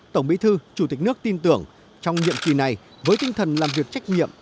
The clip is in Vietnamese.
tổng bí thư chủ tịch nước tin tưởng trong nhiệm kỳ này với tinh thần làm việc trách nhiệm